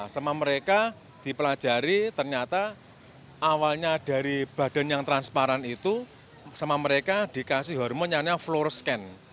sama mereka dipelajari ternyata awalnya dari badan yang transparan itu sama mereka dikasih hormon yaitu fluorscan